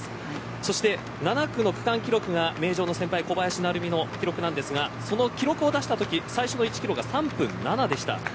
そして７区の区間記録が名城の先輩、小林成美の記録ですがその記録を出したとき最初の１キロは３分７でした。